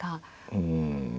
うん。